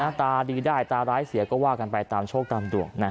หน้าตาดีได้ตาร้ายเสียก็ว่ากันไปตามโชคกรรมด่วนนะฮะ